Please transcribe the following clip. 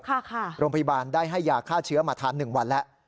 โรงพยาบาลได้ให้ยาฆ่าเชื้อมาทาน๑วันแล้ว